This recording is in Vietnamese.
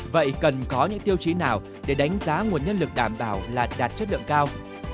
vậy cần có những tiêu chí nào để đánh giá nguồn nhân lực đảm bảo là đạt chất lượng cao